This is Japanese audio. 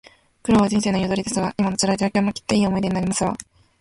苦労は人生の彩りですわ。今の辛い状況も、きっといい思い出になりますわ